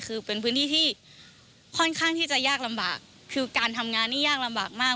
คือเป็นพื้นที่ที่ค่อนข้างที่จะยากลำบากคือการทำงานนี่ยากลำบากมาก